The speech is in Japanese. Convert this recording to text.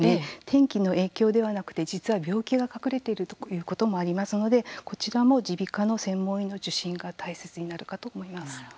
天気の影響ではなくて実は病気が隠れているということもありますのでこちらも耳鼻科の専門医の受診が大切になるかと思います。